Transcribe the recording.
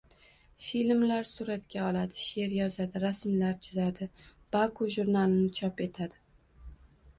Filmlar suratga oladi, she’r yozadi, rasmlar chizadi, “Baku” jurnalini chop etadi